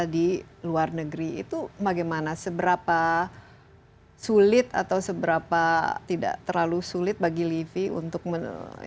di luar negeri itu bagaimana seberapa sulit atau seberapa tidak terlalu sulit bagi livi untuk menerima